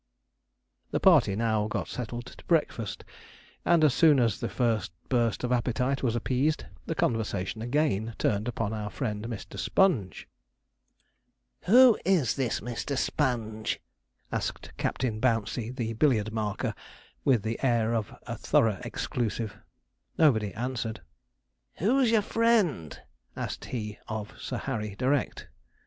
The party now got settled to breakfast, and as soon as the first burst of appetite was appeased, the conversation again turned upon our friend Mr. Sponge. 'Who is this Mr. Sponge?' asked Captain Bouncey, the billiard marker, with the air of a thorough exclusive. Nobody answered. 'Who's your friend?' asked he of Sir Harry direct.